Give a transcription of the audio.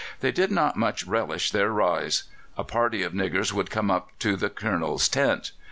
They did not much relish their rise. A party of niggers would come up to the Colonel's tent.